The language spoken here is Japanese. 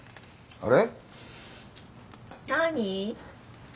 あれ？